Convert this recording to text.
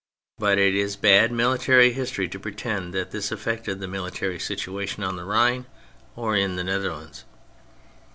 But it is bad military history to pretend that this affected the military situation on the Rhine or in the Netherlands.